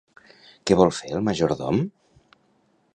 Què vol fer el majordom?